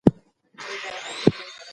قانون د شخړو د حل وسیله ده